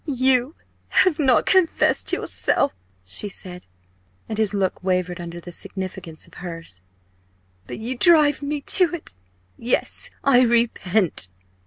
"You have not confessed yourself" she said, and his look wavered under the significance of hers "but you drive me to it. Yes, _I repent!